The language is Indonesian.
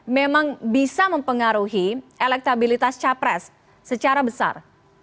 memang bisa mempengaruhi elektabilitas capres secara besar